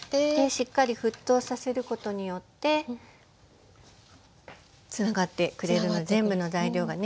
しっかり沸騰させることによってつながってくれる全部の材料がね